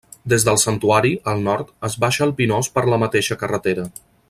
Des del Santuari, al nord, es baixa a Pinós per la mateixa carretera.